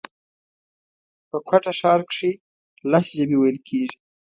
په کوټه ښار کښي لس ژبي ویل کېږي